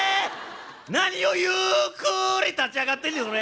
なにをゆっくり立ち上がってんじゃわれ！